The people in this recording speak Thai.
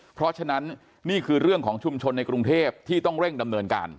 เพราะฉะนั้นนี่คือเรื่องของชุมชนในกรุงเทพที่ต้องเร่งดำเนินการ